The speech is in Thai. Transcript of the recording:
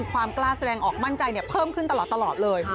ความกล้าแสดงออกมั่นใจเพิ่มขึ้นตลอดเลย